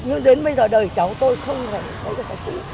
nhưng đến bây giờ đời cháu tôi không thể nhặt sách cũ